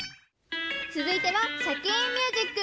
つづいては「シャキーン！ミュージック」。